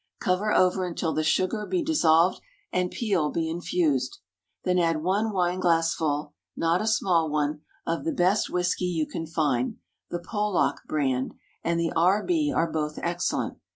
Cover over until the sugar be dissolved and peel be infused. Then add one wine glassful not a small one of the best whisky you can find the "Pollok" brand, and the "R.B." are both excellent.